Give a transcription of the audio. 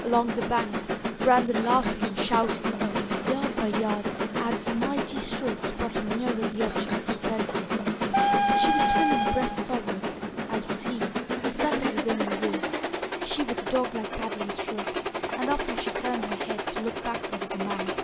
Along the bank ran the laughing and shouting Oak. Yard by yard, Ab's mighty strokes brought him nearer the object of his pursuit. She was swimming breast forward, as was he for that was his only way she with a dog like paddling stroke, and often she turned her head to look backward at the man.